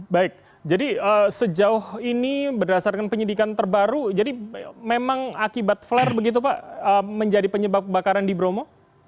baik jadi sejauh ini berdasarkan penyidikan terbaru jadi memang akibat flare begitu pak menjadi penyebab kebakaran di bromo